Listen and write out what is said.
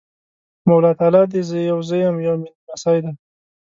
مولا تالی دی! يو زه یم، یو مې نمسی دی۔